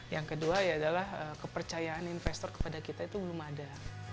yang kedua adalah kepercayaan investor kepada kita itu belum ada